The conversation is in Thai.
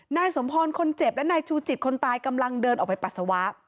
นายสมพรคนเจ็บและนายชูจิตคนตายกำลังเดินออกไปปัสสาวะ